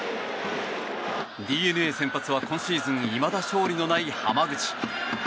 ＤｅＮＡ先発は今シーズンいまだ勝利のない濱口。